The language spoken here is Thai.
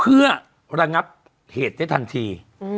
เพื่อระงับเหตุได้ทันที